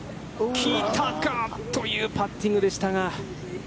来たかというパッティングでしたが。